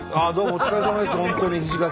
お疲れさまです。